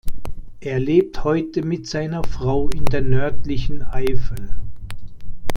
Er lebt heute mit seiner Frau in der nördlichen Eifel.